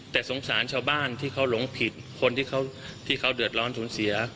แต่สงสารชาวบ้านที่เขาหลงผิดคนที่เขาเดือดร้อนสูญเสีย